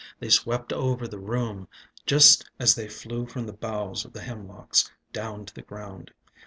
They swept over the room. Just as they flew from the boughs of the hemlocks Down to the ground.